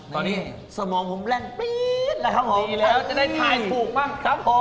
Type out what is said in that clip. ตอนนี้สมองผมแล่นปี๊ดแล้วครับผมแล้วจะได้ถ่ายถูกบ้างครับผม